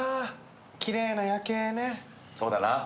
そうだな。